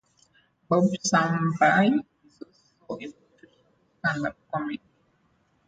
Bob Somerby is also a professional stand up comic.